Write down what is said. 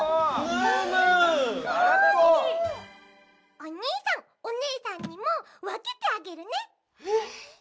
おにいさんおねえさんにもわけてあげるね。